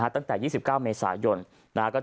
ตั้งแต่๒๙เมษายน